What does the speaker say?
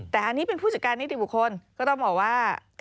แต่อันนี้เป็นผู้จัดการนิติบุคคลก็ต้องบอกว่า